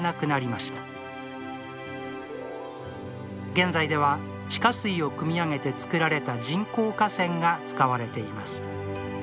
現在では地下水をくみ上げて作られた人工河川が使われています。